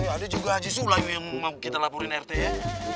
ada juga si sulam yang mau kita lapurin rt ya